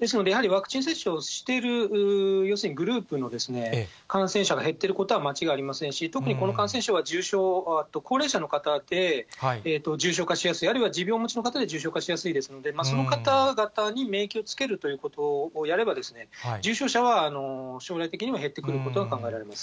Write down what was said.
ですので、ワクチン接種をしている要するに、グループの感染者が減っていることは間違いありませんし、特にこの感染症は、高齢者の方で重症化しやすい、あるいは持病をお持ちの方は重症化しやすいですので、その方々に免疫をつけるということをやれば、重症者は将来的にも減ってくることは考えられます。